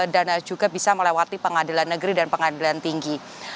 dan juga bisa melewati pengadilan negeri dan pengadilan tinggi